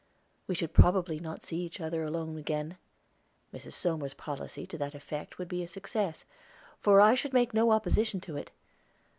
We should probably not see each other alone again. Mrs. Somers's policy to that effect would be a success, for I should make no opposition to it.